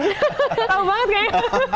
tahu banget kayaknya